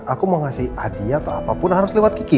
aku mau ngasih hadiah apa pun harus lewat kiki